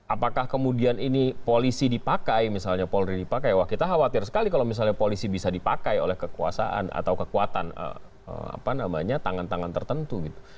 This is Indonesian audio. apakah kemudian ini polisi dipakai misalnya polri dipakai wah kita khawatir sekali kalau misalnya polisi bisa dipakai oleh kekuasaan atau kekuatan apa namanya tangan tangan tertentu gitu